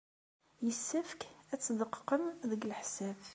Yessefk ad tdeqqeqem deg leḥsab.